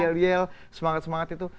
yell yell semangat semangat itu